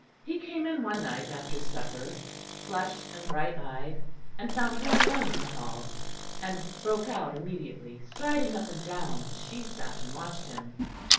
He came in one night after supper, flushed and bright eyed, and found her alone in the hall: and broke out immediately, striding up and down as she sat and watched him.